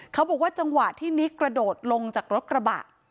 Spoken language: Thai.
เขาบอกว่าจังหวะที่นิกกระโดดลงจากรถกระบะ